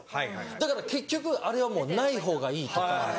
だから結局あれはもうないほうがいいとか。